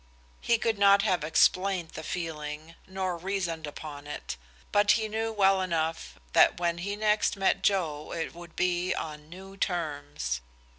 He could not have explained the feeling, nor reasoned upon it, but he knew well enough that when he next met Joe it would be on new terms.